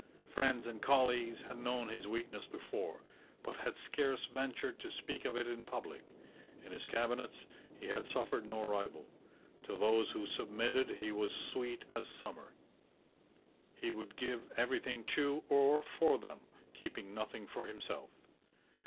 Friends and colleagues had known his weakness before, but had scarce ventured to speak of it in public. In his cabinets he had suffered no rival. To those who submitted he was sweet as summer. He would give everything to or for them, keeping nothing for himself.